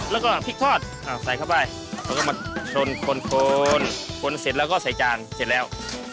แล้วก็พริกทอดเอาใส่เข้าไปแล้วก็กลมชนคนโคนคนเสร็จแล้วก็ใส่จานเสร็จแล้ว